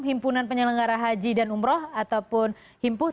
himpunan penyelenggara haji dan umroh ataupun himpus